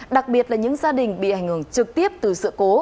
đặc biệt là những gia đình bị ảnh hưởng trực tiếp từ sự cố